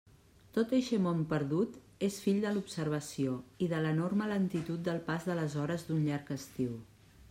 Tot eixe món perdut és fill de l'observació i de l'enorme lentitud del pas de les hores d'un llarg estiu.